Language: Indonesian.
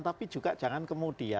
tapi juga jangan kemudian